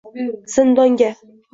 zindonga.